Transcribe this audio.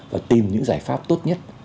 và tìm những giải pháp tốt nhất